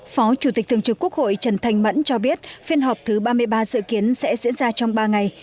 phó chủ tịch thường trực quốc hội trần thanh mẫn cho biết phiên họp thứ ba mươi ba dự kiến sẽ diễn ra trong ba ngày